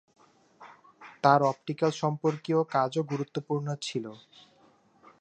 তাঁর অপটিক্যাল সম্পর্কীয় কাজও গুরুত্বপূর্ণ ছিল।